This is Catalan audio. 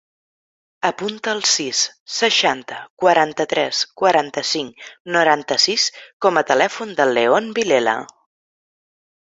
Apunta el sis, seixanta, quaranta-tres, quaranta-cinc, noranta-sis com a telèfon del León Vilela.